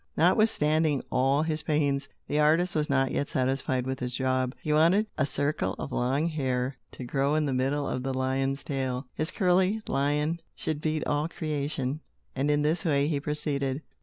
Notwithstanding all his pains, the artist was not yet satisfied with his job. He wanted a circle of long hair to grow in the middle of the lion's tail. His curly lion should beat all creation, and in this way he proceeded.